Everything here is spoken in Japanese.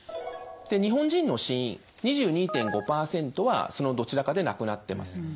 日本人の死因２２．５％はそのどちらかで亡くなってます。